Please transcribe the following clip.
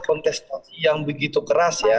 kontestasi yang begitu keras ya